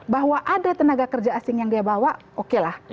bahwa ada tenaga kerja asing yang dia bawa oke lah